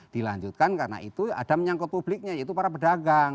dilanjutkan karena itu ada menyangkut publiknya yaitu para pedagang